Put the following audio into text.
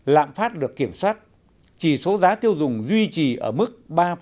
lạm phát được kiểm soát chỉ số giá tiêu dùng duy trì ở mức ba năm mươi bốn